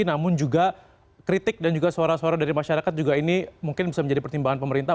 namun juga kritik dan juga suara suara dari masyarakat juga ini mungkin bisa menjadi pertimbangan pemerintah